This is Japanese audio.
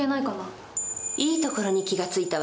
いいところに気が付いたわね。